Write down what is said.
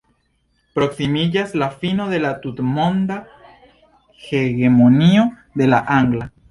Proksimiĝas la fino de la tutmonda hegemonio de la angla.